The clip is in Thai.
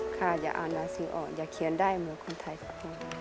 ค่ะอยากอ่านหนังสือออกอยากเขียนได้เหมือนคุณไทยครับผม